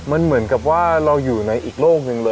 มันเหมือนกับว่าเราอยู่ในอีกโลกหนึ่งเลย